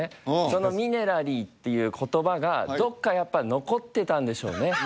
そのミネラリーっていう言葉がどっかやっぱり残ってたんでしょうね？